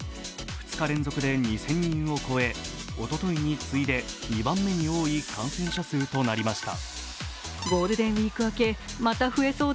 ２日連続で２０００人を超えおとといに次いで、２番目に多い感染者数となりました。